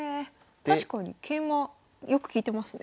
確かに桂馬よく利いてますね。